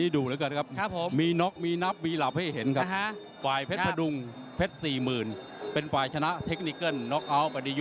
สุดท้าย